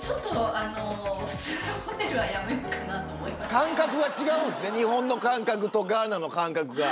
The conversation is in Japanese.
感覚が違うんすね日本の感覚とガーナの感覚が。